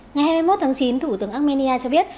ngày hai mươi một tháng chín thủ tướng armenia cho biết